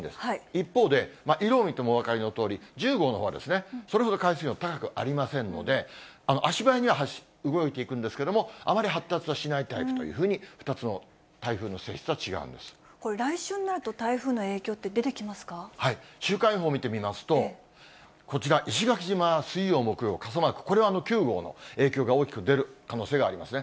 一方で、色を見てもお分かりのとおり、１０号のほうはですね、それほど海水温高くありませんので、足早には動いていくんですけれども、あまり発達はしないタイプというふうに、２つの台風の性質は違うこれ、来週になると、台風の週間予報見てみますと、こちら、石垣島は水曜、木曜、傘マーク、これは９号の影響が大きく出る可能性がありますね。